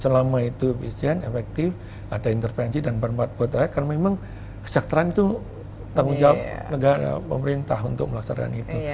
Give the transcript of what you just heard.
selama itu efisien efektif ada intervensi dan bermanfaat buat rakyat karena memang kesejahteraan itu tanggung jawab negara pemerintah untuk melaksanakan itu